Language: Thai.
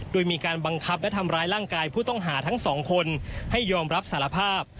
โดยมีการบังคับและทำร้ายร่างกายผู้ต้องหาทั้งสองคนให้ยอมรับสารภาพ